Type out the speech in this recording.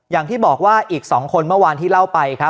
อย่างที่บอกว่าอีก๒คนเมื่อวานที่เล่าไปครับ